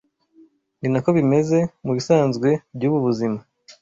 Ni na ko bimeze mu bisanzwe by’ubu buzima,